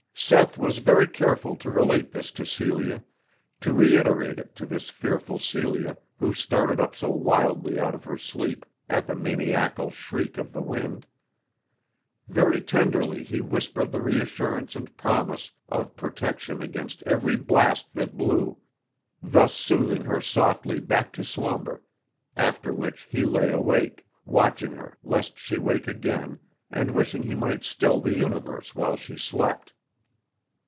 Seth was very careful to relate this to Celia, to reiterate it to this fearful Celia who started up so wildly out of her sleep at the maniacal shriek of the wind. Very tenderly he whispered the reassurance and promise of protection against every blast that blew, thus soothing her softly back to slumber, after which he lay awake, watching her lest she wake again and wishing he might still the Universe while she slept.